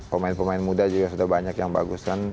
pemain pemain muda juga sudah banyak yang bagus kan